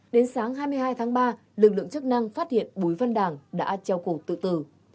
đến sáng hai mươi hai tháng ba lực lượng chức năng phát hiện bùi văn đảng đã treo cổ tự tử